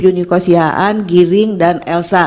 yuniko siaan giring dan elsa